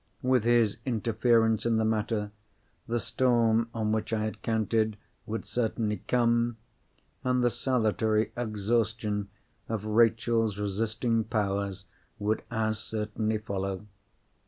With his interference in the matter, the storm on which I had counted would certainly come, and the salutary exhaustion of Rachel's resisting powers would as certainly follow.